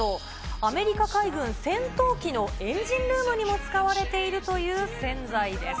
アメリカ海軍戦闘機のエンジンルームにも使われているという洗剤です。